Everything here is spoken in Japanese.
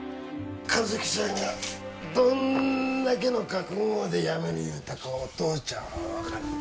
和希ちゃんがどんだけの覚悟でやめる言うたかお父ちゃんは分かる。